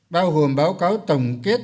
bao gồm báo cáo tổng kết